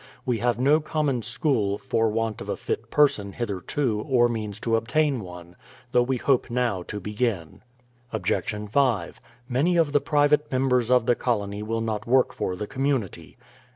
We have no common school, for want of a fit person hitherto, or means to obtain one; though we hope now to begin. Obj. 5. Many of the private members of the colony will not work for the community.